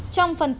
trong phần tiết